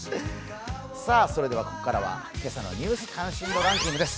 ここからは今朝のニュース関心度ランキングです。